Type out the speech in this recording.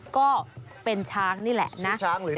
ก็เป็นช้างนี่แหละนะ